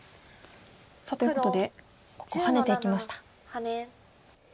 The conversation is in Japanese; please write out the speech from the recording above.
ということでここハネていきました。